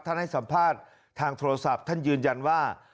ให้สัมภาษณ์ทางโทรศัพท์ท่านยืนยันว่า